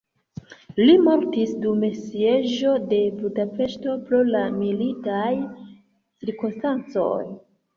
Li mortis dum sieĝo de Budapeŝto pro la militaj cirkonstancoj.